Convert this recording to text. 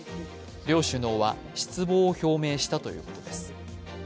両首脳は失望を表明したということです。